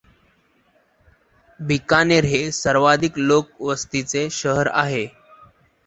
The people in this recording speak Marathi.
बिकानेर हे सर्वाधिक लोकवस्तीचे शहर आहे.